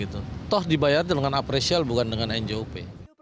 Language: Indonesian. tuh dibayar dengan apresial bukan dengan njup